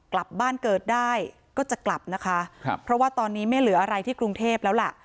กลับบ้านเกิดได้ก็จะกลับนะคะครับเพราะว่าตอนนี้ไม่เหลืออะไรที่กรุงเทพแล้วล่ะ